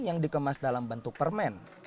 yang dikemas dalam bentuk permen